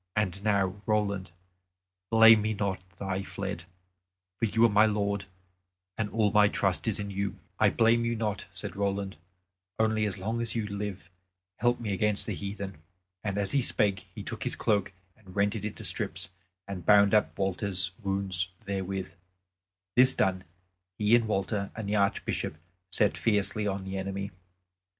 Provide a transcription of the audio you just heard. And now, Roland, blame me not that I fled; for you are my lord, and all my trust is in you." "I blame you not," said Roland, "only as long as you live help me against the heathen." And as he spake he took his cloak and rent it into strips and bound up Walter's wounds therewith. This done he and Walter and the Archbishop set fiercely on the enemy.